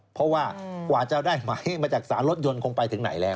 เพราะว่ากว่าจะได้หมายมาจากสารรถยนต์คงไปถึงไหนแล้ว